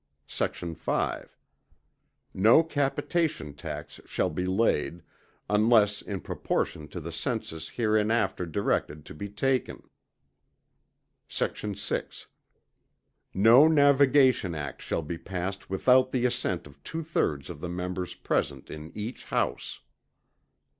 Sect. 5. No capitation tax shall be laid, unless in proportion to the census hereinbefore directed to be taken. Sect. 6. No navigation act shall be passed without the assent of two thirds of the members present in each House.